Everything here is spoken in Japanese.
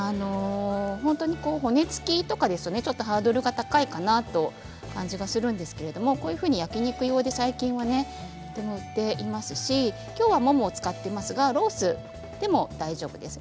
本当に骨付きとかですとハードルが高い感じがするんですけれどこのように焼き肉用で、最近は売っていますし最近は、ももを使っていますがロースでも大丈夫です。